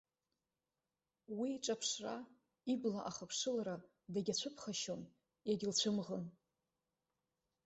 Уи иҿаԥшра, ибла ахыԥшылара дагьацәыԥхашьон, иагьылцәымӷын.